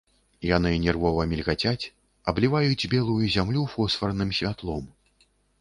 Яны нервова мільгацяць, абліваюць белую зямлю фосфарным святлом.